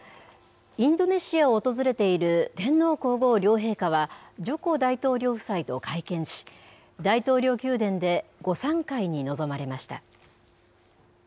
インドネシアを訪れている天皇皇后両陛下は、ジョコ大統領夫妻と会見し、大統領宮殿で午さん会に臨まれました。